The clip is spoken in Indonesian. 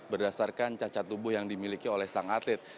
berdasarkan cacat tubuh yang dimiliki oleh sang atlet